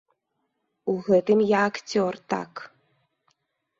У гэтым я акцёр, так.